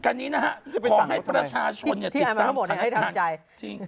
กันนี้นะฮะขอให้ประชาชนอย่าติดตามสถานทาง